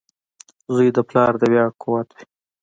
• زوی د پلار د ویاړ قوت وي.